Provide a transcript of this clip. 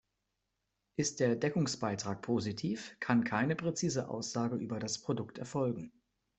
Ist der Deckungsbeitrag positiv, kann keine präzise Aussage über das Produkt erfolgen.